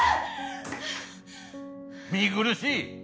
見苦しい！